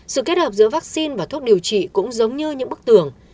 sự kết hợp giữa vaccine và thuốc điều trị cũng giống như những bức tường